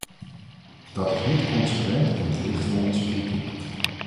Dat is niet consequent in het licht van onze kritiek.